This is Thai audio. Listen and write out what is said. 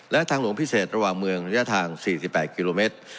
และทางหลวงพิเศษระหว่างเมืองระยะทาง๔๘กิโลเมตร